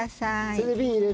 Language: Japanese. それで瓶に入れる。